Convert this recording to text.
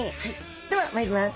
ではまいります。